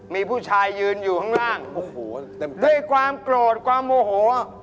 มีผู้ชายยืนอยู่ข้างล่างด้วยความโกรธความโอโห